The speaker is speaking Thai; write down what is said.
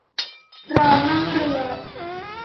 เรานั่งเรือ